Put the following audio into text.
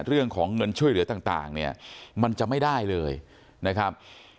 เรื่องของเงินช่วยเหลือต่างเนี่ยมันจะไม่ได้เลยนะครับ